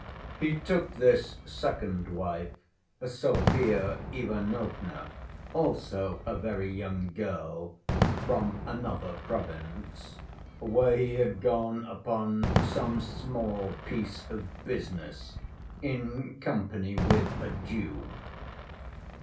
He took this second wife, Sofya Ivanovna, also a very young girl, from another province, where he had gone upon some small piece of business in company with a Jew.